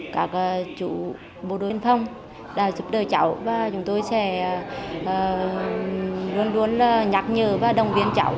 các chủ bộ đối biên phòng giúp đỡ cháu và chúng tôi sẽ luôn luôn nhắc nhở và đồng biến cháu